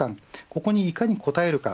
ここにいかに応えるか。